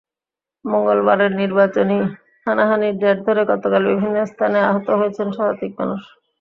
মঙ্গলবারের নির্বাচনী হানাহানির জের ধরে গতকাল বিভিন্ন স্থানে আহত হয়েছেন শতাধিক মানুষ।